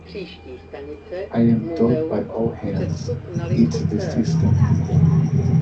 I am told by all hands: it's the system.